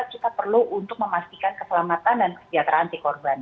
kita perlu untuk memastikan keselamatan dan kesejahteraan antikorban